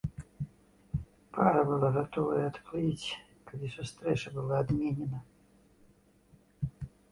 Пара была гатовая адплыць, калі сустрэча была адменена.